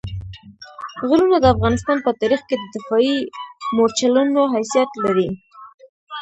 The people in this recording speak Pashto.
غرونه د افغانستان په تاریخ کې د دفاعي مورچلونو حیثیت لري.